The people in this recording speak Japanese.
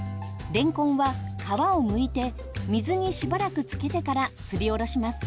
れんこんは皮をむいて水にしばらくつけてからすりおろします。